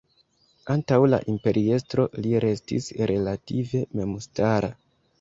Antaŭ la imperiestro li restis relative memstara.